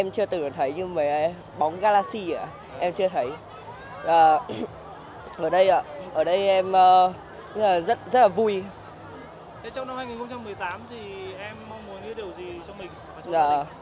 trong năm hai nghìn một mươi tám em mong muốn nghĩa điều gì cho mình